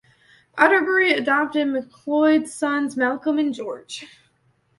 Atterbury adopted MacLeod's sons, Malcolm and George.